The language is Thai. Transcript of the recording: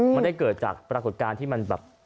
ไม่ได้เกิดจากปรากฏการณ์ที่มันแบบ